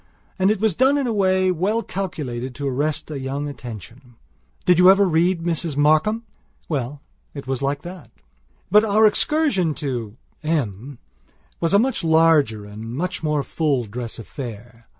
And it was done in a way well calculated to arrest a young attention. Did you ever read Mrs Markham? Well, it was like that... . But our excursion to M was a much larger, a much more full dress affair.